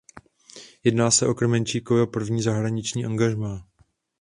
Jedná se o Krmenčíkovo první zahraniční angažmá.